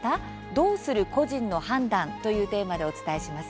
どうする個人の判断」というテーマで、お伝えします。